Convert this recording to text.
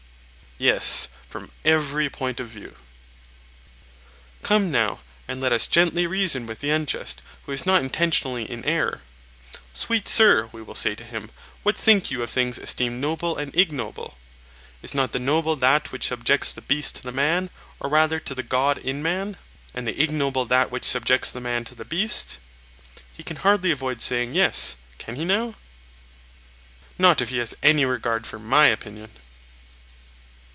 Yes, from every point of view. Come, now, and let us gently reason with the unjust, who is not intentionally in error. 'Sweet Sir,' we will say to him, 'what think you of things esteemed noble and ignoble? Is not the noble that which subjects the beast to the man, or rather to the god in man; and the ignoble that which subjects the man to the beast?' He can hardly avoid saying Yes—can he now? Not if he has any regard for my opinion.